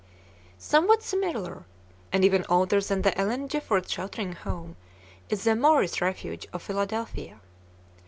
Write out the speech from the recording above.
Somewhat similar, and even older than the Ellen Gifford Sheltering Home, is the Morris Refuge of Philadelphia.